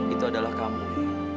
itu adalah kamu wih